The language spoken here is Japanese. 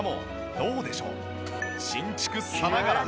どうでしょう新築さながら！